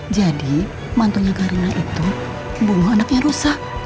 jadi mantunya karina itu bumbu anaknya rosa